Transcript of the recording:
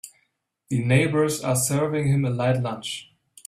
The neighbors are serving him a light lunch.